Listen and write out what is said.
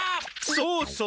そうそう。